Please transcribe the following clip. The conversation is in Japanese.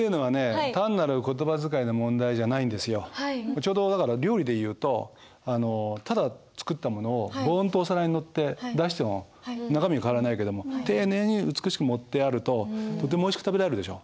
ちょうどだから料理でいうとただ作ったものをボンとお皿に載って出しても中身は変わらないけども丁寧に美しく盛ってあるととてもおいしく食べられるでしょ？